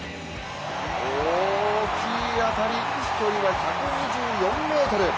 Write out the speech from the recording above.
大きい当たり、飛距離は１２４ｍ。